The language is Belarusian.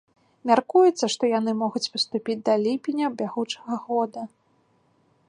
Мяркуецца, што яны могуць паступіць да ліпеня бягучага года.